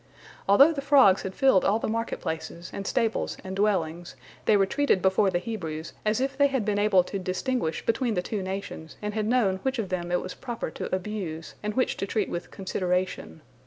Although the frogs had filled all the market places and stables and dwellings, they retreated before the Hebrews as if they had been able to distinguish between the two nations, and had known which of them it was proper to abuse, and which to treat with consideration.